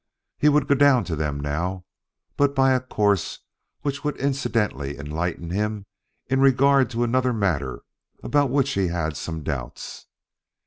He would go down to them now, but by a course which would incidentally enlighten him in regard to another matter about which he had some doubts.